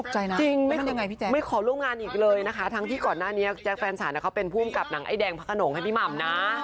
พี่แจ๊ไม่ขอร่วมงานอีกเลยนะคะทั้งที่ก่อนหน้านี้แจ๊คแฟนฉันเขาเป็นภูมิกับหนังไอ้แดงพระขนงให้พี่หม่ำนะ